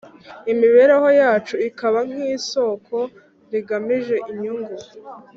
imibereho yacu ikaba nk’isoko rigamije inyungu.